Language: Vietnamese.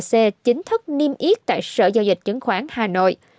tập đoàn flc chính thức niêm yết tại sở giao dịch chứng khoán hà nội